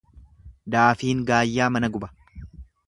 Daafiin gaayyaa mana guba.